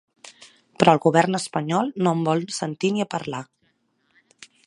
Però el govern espanyol no en vol sentir ni a parlar.